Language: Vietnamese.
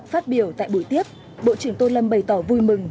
phát biểu tại buổi tiếp bộ trưởng tô lâm bày tỏ vui mừng